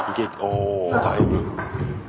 おおだいぶ。